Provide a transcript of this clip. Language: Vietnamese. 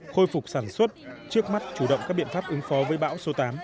khôi phục sản xuất trước mắt chủ động các biện pháp ứng phó với bão số tám